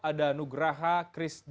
ada nugraha krisdianta